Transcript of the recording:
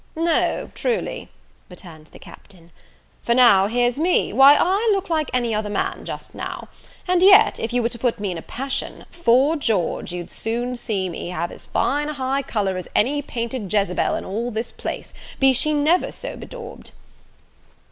"No, truly," returned the Captain: "for now here's me, why I look like any other man; just now; and yet, if you were to put me in a passion, 'fore George, you'd soon see me have as fine a high colour as any painted Jezebel in all this place, be she never so bedaubed."